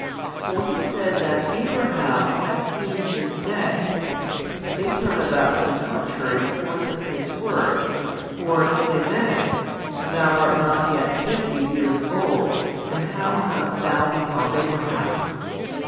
For He said that Abraham had seen His Day, they turn about to the contrary the force of His word, for (say they) Thou art not yet fifty years old and how hast Thou beheld Abraham?